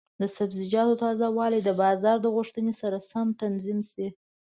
د سبزیجاتو تازه والی د بازار د غوښتنې سره سم تنظیم شي.